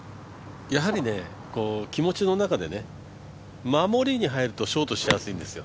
やはり気持ちの中で守りに入るとショートしやすいんですよ。